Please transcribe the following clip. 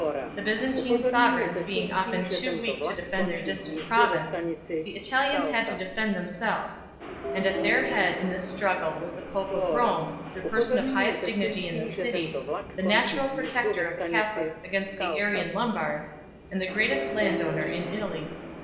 The Byzantine sovereigns being often too weak to defend their distant province, the Italians had to defend themselves; and at their head in this struggle was the pope of Rome, the person of highest dignity in the city, the natural protector of the Catholics against the Arian Lombards, and the greatest landowner in Italy.